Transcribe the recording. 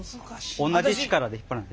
同じ力で引っ張らないと。